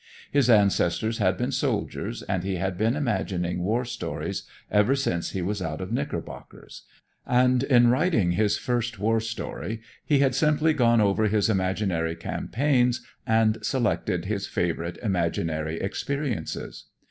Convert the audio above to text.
His ancestors had been soldiers, and he had been imagining war stories ever since he was out of knickerbockers, and in writing his first war story he had simply gone over his imaginary campaigns and selected his favorite imaginary experiences.